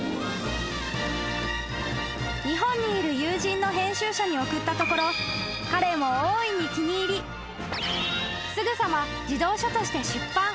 ［日本にいる友人の編集者に送ったところ彼も大いに気に入りすぐさま］